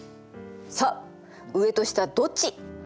さあ上と下どっち？